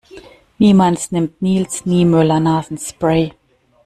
Niemals nimmt Nils Niemöller Nasenspray.